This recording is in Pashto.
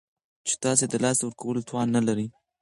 چې تاسو یې د لاسه ورکولو توان نلرئ